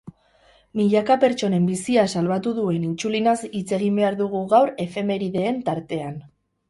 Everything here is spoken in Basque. Milaka pertsonen bizia salbatu duen intsulinaz hitz egin behar dugu gaur efemerideen tartean.